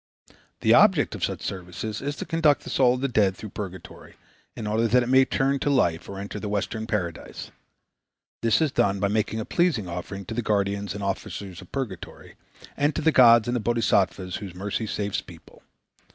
The object of such services is to conduct the soul of the dead through purgatory, in order that it may return to life or enter the Western Paradise. This is done by making a pleasing offering to the guardians and officers of purgatory, and to the gods and Bodhisattvas whose mercy saves people.